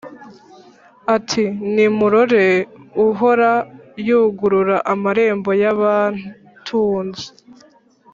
Ati: "Nimurore uhora yugurura amarembo y'abatunze